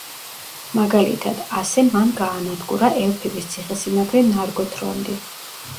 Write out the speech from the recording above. მაგალითად, ასე მან გაანადგურა ელფების ციხესიმაგრე ნარგოთრონდი.